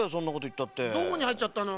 どこにはいっちゃったの？